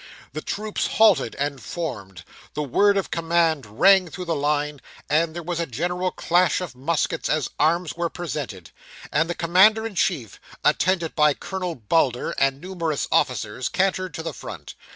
The troops halted and formed; the word of command rang through the line; there was a general clash of muskets as arms were presented; and the commander in chief, attended by Colonel Bulder and numerous officers, cantered to the front.